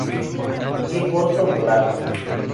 Pie corto o largo.